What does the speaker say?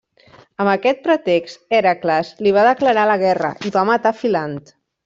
Amb aquest pretext, Hèracles li va declarar la guerra, i va matar Filant.